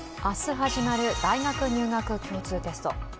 明日始まる大学入学共通テスト。